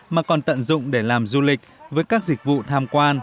mà còn tận dụng để làm du lịch với các dịch vụ tham quan